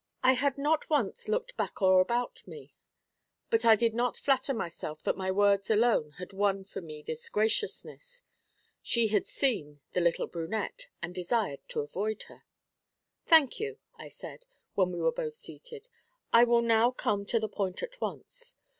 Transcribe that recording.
I had not once looked back or about me, but I did not flatter myself that my words alone had won for me this graciousness; she had seen the little brunette, and desired to avoid her. 'Thank you,' I said, when we were both seated. 'I will now come to the point at once.